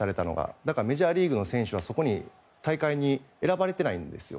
だからメジャーリーグの選手は大会に選ばれてないんですよ。